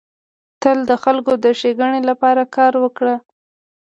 تل د خلکو د ښيګڼي لپاره کار وکړه.